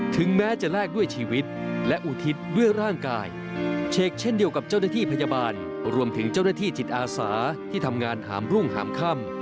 ถึงแม้จะแลกด้วยชีวิตและอุทิศด้วยร่างกายเฉกเช่นเดียวกับเจ้าหน้าที่พยาบาลรวมถึงเจ้าหน้าที่จิตอาสาที่ทำงานหามรุ่งหามค่ำ